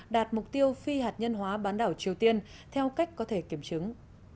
đạt mục tiêu phi hạt nhân hóa bán đảo triều tiên theo cách có thể kiểm chứng